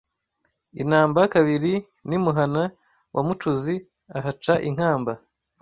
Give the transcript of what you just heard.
I Namba-kabiri n’imuhana wa Mucuzi, ahaca inkamba